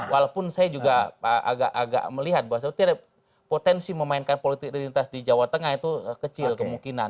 walaupun saya juga agak melihat bahwa potensi memainkan politik identitas di jawa tengah itu kecil kemungkinan